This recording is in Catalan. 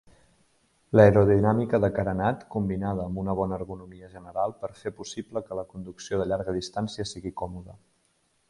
L'aerodinàmica de carenat combinada amb una bona ergonomia general per fer possible que la conducció de llarga distància sigui còmode.